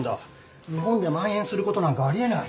日本で蔓延することなんかありえない。